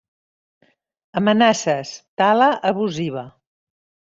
Amenaces: tala abusiva.